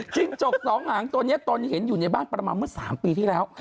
จิงจกสองหางตัวนี้โตะเรียนอยู่ในบ้านประมาณพอสามปีที่แล้ว